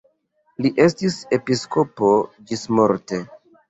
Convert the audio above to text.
Li estis episkopo ĝismorte.